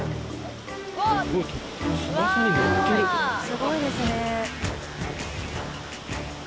すごいですね。